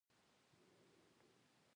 زه د انسانیت درناوی کوم.